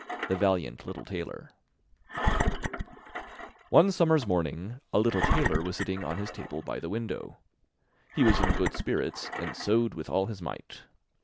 THE VALIANT LITTLE TAILOR One summer's morning a little tailor was sitting on his table by the window; he was in good spirits, and sewed with all his might.